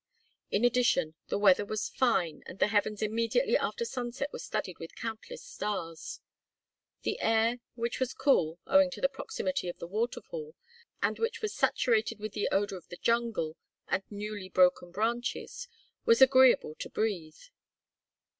In addition the weather was fine and the heavens immediately after sunset were studded with countless stars. The air, which was cool, owing to the proximity of the waterfall, and which was saturated with the odor of the jungle and newly broken branches, was agreeable to breathe.